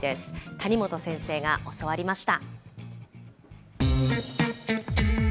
谷本先生が教わりました。